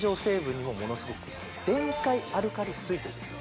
ものすごく電解アルカリ水というですね